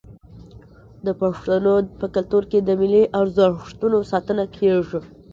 د پښتنو په کلتور کې د ملي ارزښتونو ساتنه کیږي.